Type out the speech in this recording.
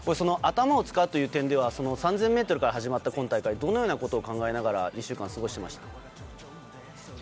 頭を使うという点では３０００ｍから始まった今大会どんなことを考えながら１週間を過ごしていました？